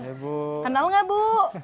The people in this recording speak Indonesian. kenal gak bu